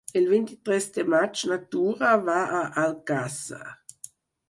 El vint-i-tres de maig na Tura va a Alcàsser.